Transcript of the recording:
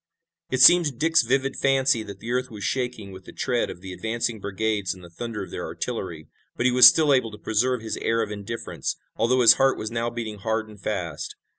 It seemed to Dick's vivid fancy that the earth was shaking with the tread of the advancing brigades and the thunder of their artillery. But he was still able to preserve his air of indifference, although his heart was now beating hard and fast.